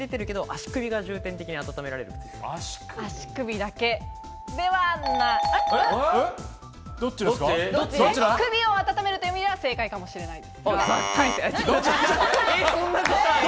足首を温めるという意味では正解かもしれない。